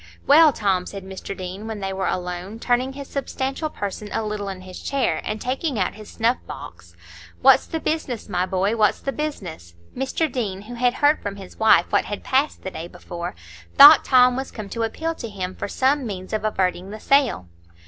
"Well, Tom," said Mr Deane, when they were alone, turning his substantial person a little in his chair, and taking out his snuff box; "what's the business, my boy; what's the business?" Mr Deane, who had heard from his wife what had passed the day before, thought Tom was come to appeal to him for some means of averting the sale.